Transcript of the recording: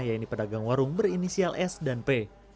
yaitu pedagang warung berinisial s dan p